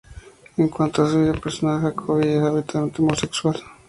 En cuanto a su vida personal, Jacobi es abiertamente homosexual.